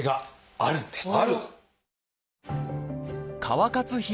ある？